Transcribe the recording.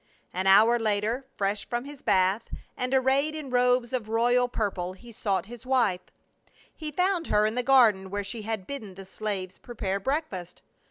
An hour later, fresh from his bath and arrayed in robes of royal purple, he sought his wife. He found her in the garden where she had bidden the slaves prepare breakfast.